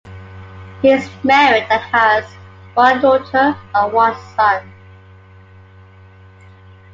He is married and has one daughter and one son.